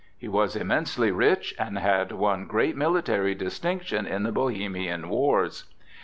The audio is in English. He was immensely rich, and had won great military distinction in the Bohemian wars.